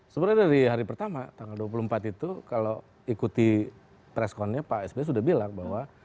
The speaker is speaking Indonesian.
sebenarnya dari hari pertama tanggal dua puluh empat itu kalau ikuti preskonnya pak sby sudah bilang bahwa